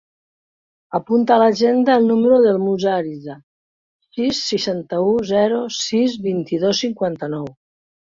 Apunta a l'agenda el número del Musa Ariza: sis, seixanta-u, zero, sis, vint-i-dos, cinquanta-nou.